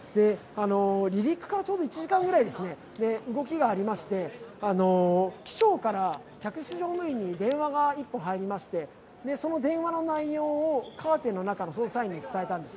離陸からちょうど１時間ぐらいで動きがありまして機長から客室乗務員に電話が１本入りましてその電話の内容をカーテンの中の捜査員に伝えたんです。